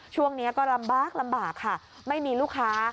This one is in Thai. ช่วงนี้ก็ลำบากลำบากค่ะไม่มีลูกค้า